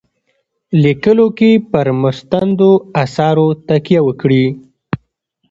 لیکلو کې پر مستندو آثارو تکیه وکړي.